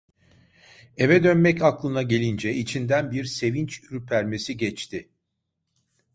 Eve dönmek aklına gelince içinden bir sevinç ürpermesi geçti.